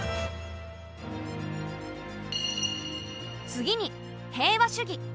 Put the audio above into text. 次に平和主義。